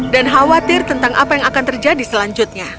khawatir tentang apa yang akan terjadi selanjutnya